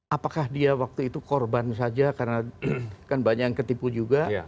apakah dia waktu itu korban saja karena kan banyak yang ketipu juga